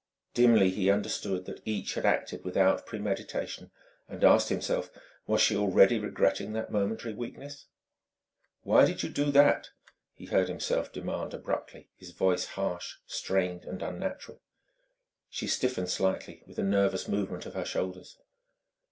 Dimly he understood that each had acted without premeditation; and asked himself, was she already regretting that momentary weakness. "Why did you do that?" he heard himself demand abruptly, his voice harsh, strained, and unnatural. She stiffened slightly, with a nervous movement of her shoulders.